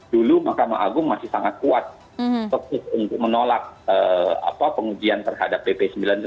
dulu mahkamah agung masih sangat kuat fokus untuk menolak pengujian terhadap pp sembilan puluh delapan